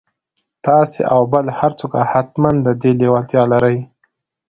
تاسې او بل هر څوک حتماً د دې لېوالتيا لرئ.